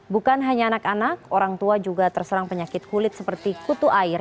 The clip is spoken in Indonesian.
bukan hanya anak anak orang tua juga terserang penyakit kulit seperti kutu air